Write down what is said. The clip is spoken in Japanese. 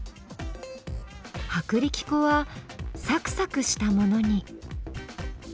薄力粉はサクサクしたものに。